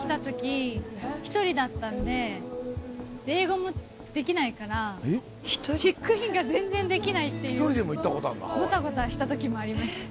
あそこで初めて来たとき、１人だったんで、英語もできないから、チェックインが全然できないっていう、ごたごたしたときもありました。